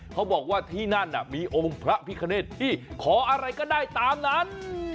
เขาบอกว่าที่นั่นมีองค์พระพิคเนตที่ขออะไรก็ได้ตามนั้น